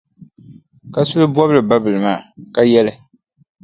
Kasuli bɔbili babila maa, ka yɛli,